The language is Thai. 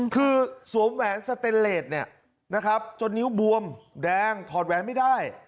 คือสวมแหวนสเตนเลสจนนิ้วบวมแดงถอดแหวนไม่ได้